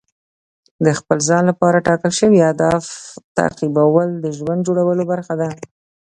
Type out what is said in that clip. د خپل ځان لپاره ټاکل شوي اهداف تعقیبول د ژوند جوړولو برخه ده.